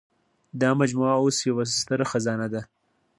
دا مجموعه اوس یوه ستره خزانه ده.